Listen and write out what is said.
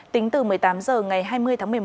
tính từ một mươi tám h ngày hai mươi tháng một mươi một